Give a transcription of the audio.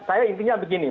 saya intinya begini